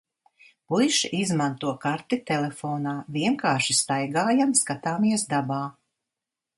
Puiši izmanto karti telefonā. Vienkārši staigājam, skatāmies dabā.